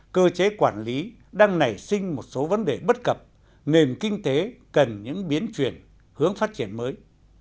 cơ chế quản lý đang nảy sinh một số vấn đề bất cập nền kinh tế cần những biến chuyển hướng phát triển mới